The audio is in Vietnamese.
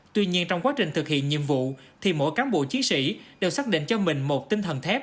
tuy nhiên trong quá trình thực hiện nhiệm vụ thì mỗi cán bộ chiến sĩ đều xác định cho mình một tinh thần thép